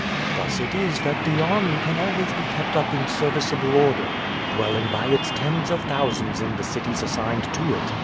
"Thus it is that the army can always be kept up in serviceable order, dwelling by its tens of thousands in the cities assigned to it.